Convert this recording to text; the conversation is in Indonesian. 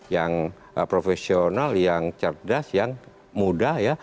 yang profesional yang cerdas yang mudah ya